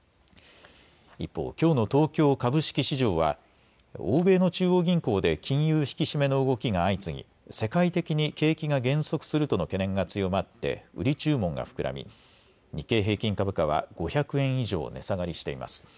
一方、きょうの東京株式市場は欧米の中央銀行で金融引き締めの動きが相次ぎ、世界的に景気が減速するとの懸念が強まって売り注文が膨らみ、日経平均株価は５００円以上値下がりしています。